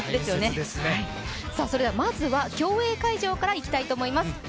それではまずは競泳会場からいきたいと思います。